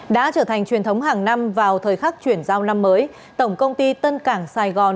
đã trở thành truyền thống hàng năm vào thời khắc chuyển giao năm mới tổng công ty tân cảng sài gòn